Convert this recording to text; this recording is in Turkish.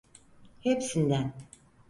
Hepsinden.